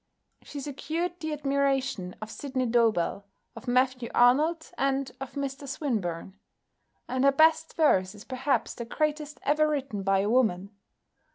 She secured the admiration of Sydney Dobell, of Matthew Arnold, and of Mr Swinburne, and her best verse is perhaps the greatest ever written by a woman.